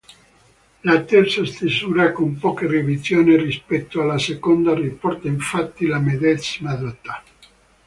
La terza stesura, con poche revisioni rispetto alla seconda riporta infatti la medesima data.